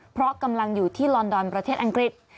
เพราะกำลังอยู่ที่ลอนดอนประเทศอังกฤษ